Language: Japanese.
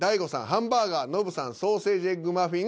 ハンバーガー」ノブさん「ソーセージエッグマフィン」